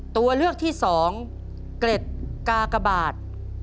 ตัวเลือกที่สองเกร็ดกากบาท